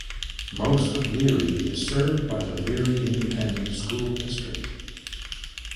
Most of Leary is served by the Leary Independent School District.